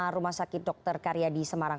direktur utama rumah sakit dr karyadi semarang